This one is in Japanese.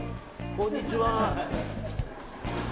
こんにちは。